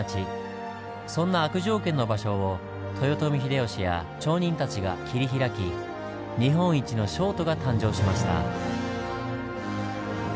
そんな悪条件の場所を豊臣秀吉や町人たちが切り開き日本一の商都が誕生しました。